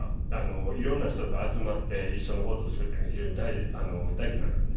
いろんな人と集まって一緒のことするってのは非常に大嫌いなんで。